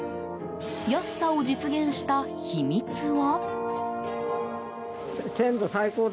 安さを実現した秘密は。